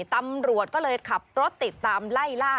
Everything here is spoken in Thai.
ตำรวจก็เลยขับรถติดตามไล่ล่า